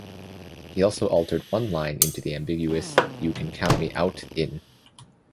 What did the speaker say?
He also altered one line into the ambiguous "you can count me out, in".